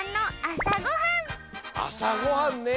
あさごはんね。